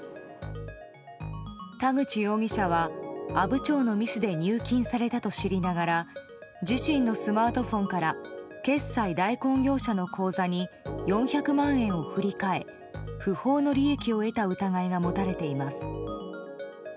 田口容疑者は阿武町のミスで入金されたと知りながら自身のスマートフォンから決済代行業者の口座に４００万円を振り替え不法の利益を得た疑いが持たれています。